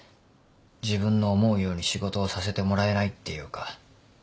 自分の思うように仕事をさせてもらえないっていうか。